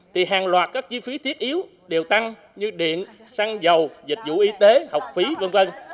thì hàng loạt các chi phí thiết yếu đều tăng như điện xăng dầu dịch vụ y tế học phí v v